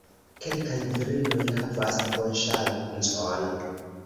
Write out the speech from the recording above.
Kelkaj virinoj havas bonŝancon.